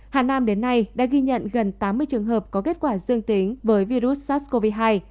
hà nam đến nay đã ghi nhận gần tám mươi trường hợp có kết quả dương tính với virus sars cov hai